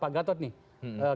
pak gatot di ubud